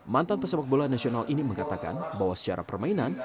mantan pesepak bola nasional ini mengatakan bahwa secara permainan